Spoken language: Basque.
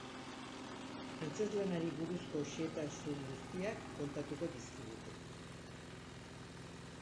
Antzezlanari buruzko xehetasun guztiak kontatuko dizkigute.